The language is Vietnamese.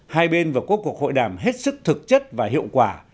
hai bên và quốc cuộc hội đàm hết sức thực chất và hiệu quả